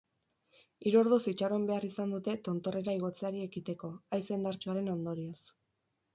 Hiru orduz itxaron behar izan dute tontorrera igotzeari ekiteko, haize indartsuaren ondorioz.